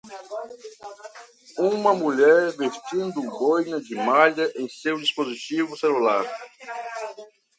Uma mulher vestindo boina de malha em seu dispositivo celular.